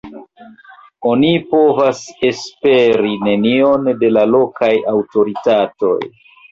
Oni povas esperi nenion de la lokaj aŭtoritatoj.